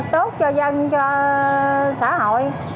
tốt cho dân cho xã hội